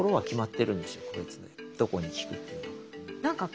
どこに効くっていうのが。